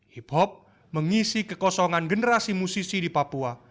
hip hop mengisi kekosongan generasi musisi di papua